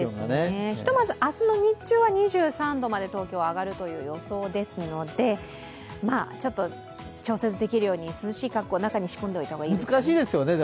ひとまず明日の日中は２３度まで東京、上がるという予想ですので調節できるように涼しい格好を中に仕込んでおくといいですね。